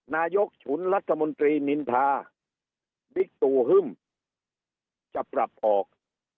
ฉกฉุนรัฐมนตรีนินทาบิ๊กตูฮึ่มจะปรับออก